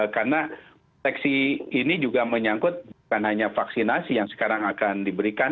karena teksi ini juga menyangkut bukan hanya vaksinasi yang sekarang akan diberikan